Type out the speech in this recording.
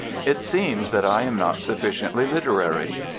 It seems that I am not sufficiently literary.